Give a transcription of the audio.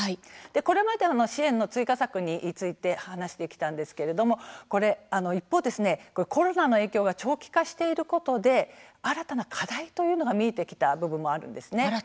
これまで支援の追加策について話をしてきたんですけれども一方、コロナの影響が長期化していることで新たな課題も見えてきた部分もあるんです。